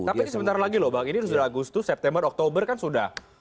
tapi ini sebentar lagi loh bang ini sudah agustus september oktober kan sudah